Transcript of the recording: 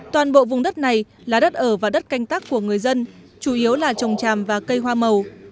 toàn bộ vùng đất này là đất ở và đất canh tác của người dân chủ yếu là trồng tràm và cây hoa màu